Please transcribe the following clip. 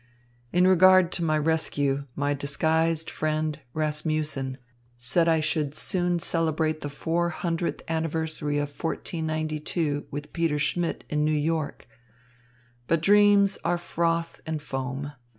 In regard to my rescue, my disguised friend, Rasmussen, said I should soon celebrate the four hundredth anniversary of 1492 with Peter Schmidt in New York. But dreams are froth and foam.